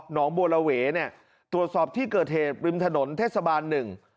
งบัวละเวเนี่ยตรวจสอบที่เกิดเหตุริมถนนเทศบาลหนึ่ง